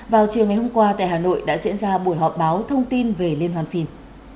vào chiều ngày hôm qua tại hà nội đã diễn ra buổi họp báo thông tin về liên hoàn phim